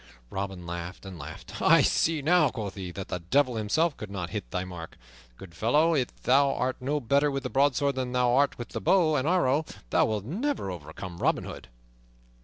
Robin laughed and laughed. "I see now," quoth he, "that the Devil himself could not hit that mark. Good fellow, if thou art no better with the broadsword than thou art with the bow and arrow, thou wilt never overcome Robin Hood."